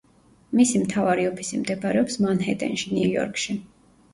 მისი მთავარი ოფისი მდებარეობს მანჰეტენში, ნიუ-იორკში.